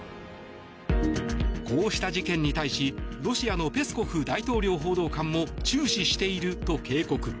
こうした事件に対しロシアのペスコフ大統領報道官も注視していると警告。